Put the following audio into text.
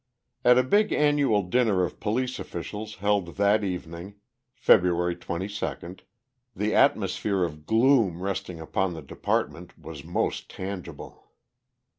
At a big annual dinner of police officials held that evening, February 22, the atmosphere of gloom resting upon the department was most tangible.